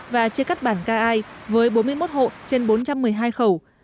và chia cắt bản ca ai với bốn mươi một hộ trên bốn trăm một mươi hai khẩu